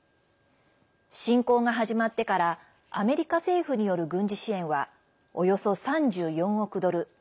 侵攻が始まってからアメリカ政府による軍事支援はおよそ３４億ドル。